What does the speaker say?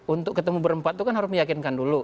untuk ketemu berempat itu kan harus meyakinkan dulu